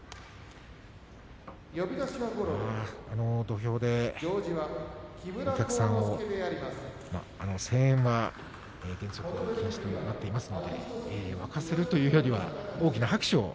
あの土俵でお客さんを声援は、原則禁止ということになっているので沸かせるというよりは大きな拍手。